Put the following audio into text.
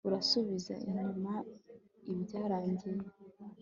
urasubiza inyuma ibyarangiye